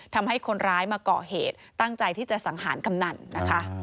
ทำให้คนร้ายมาก่อเหตุตั้งใจที่จะสังหารกำนันนะคะ